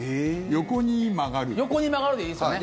横に曲がるでいいですよね？